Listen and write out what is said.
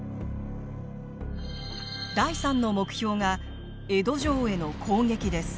第３の目標が江戸城への攻撃です。